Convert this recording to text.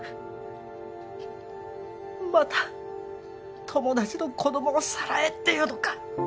また友達の子供をさらえっていうのか？